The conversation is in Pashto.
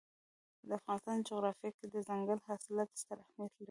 د افغانستان جغرافیه کې دځنګل حاصلات ستر اهمیت لري.